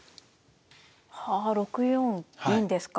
はあ６四銀ですか。